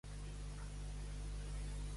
Anne, Soho, Londres.